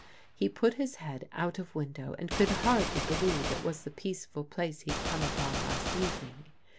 He put his head out of window, and could hardly believe it was the peaceful place he'd come upon last evening.